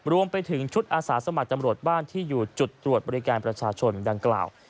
รวมไปถึงชุดอาสาสมัครตำรวจบ้านที่อยู่จุดตรวจบริการประชาชนดังกล่าว